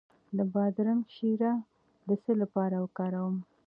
د بادرنګ شیره د څه لپاره وکاروم؟